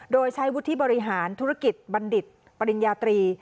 โดยใช้วุฒิบริหารธุรกิจบัณฑิตปริญญาตรี